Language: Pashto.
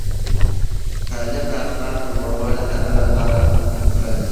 تعلیم د اخلاقو لوړولو ته لار پرانیزي.